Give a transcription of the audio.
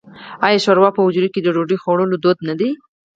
آیا شوروا په حجرو کې د ډوډۍ خوړلو دود نه دی؟